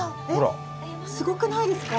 すごくないですか？